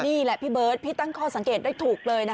นี่แหละพี่เบิร์ตพี่ตั้งข้อสังเกตได้ถูกเลยนะคะ